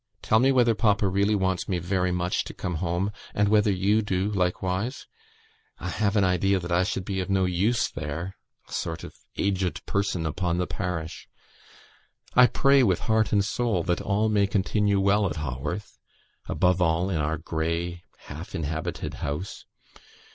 Tell me whether papa really wants me very much to come home, and whether you do likewise. I have an idea that I should be of no use there a sort of aged person upon the parish. I pray, with heart and soul, that all may continue well at Haworth; above all in our grey half inhabited house.